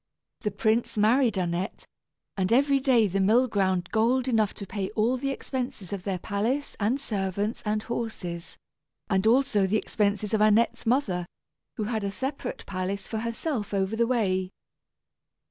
The prince married Annette, and every day the mill ground gold enough to pay all the expenses of their palace and servants and horses, and also the expenses of Annette's mother, who had a separate palace for herself over the way.